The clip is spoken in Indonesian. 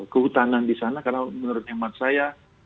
kehutanan di sana karena menurut hemat saya